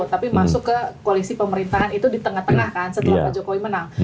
tapi masuk ke koalisi pemerintahan itu di tengah tengah kan setelah pak jokowi menang